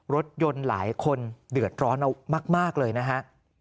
รถยนต์หลายคนเดือดร้อนเอามากเลยนะฮะ